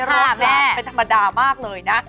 รอบแรกเป็นธรรมดามากเลยนะ